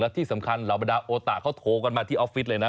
ที่สำคัญเหล่าบรรดาโอตะเขาโทรกันมาที่ออฟฟิศเลยนะ